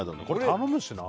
頼むしな。